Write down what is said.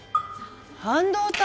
半導体？